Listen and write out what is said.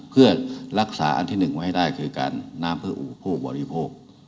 เพื่อรักษาอันที่๑ไว้ได้คือการน้ำเพื่ออุโภคบริโภค